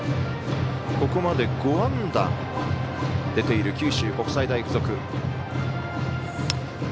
ここまで５安打出ている九州国際大付属。